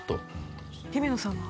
姫野さんが？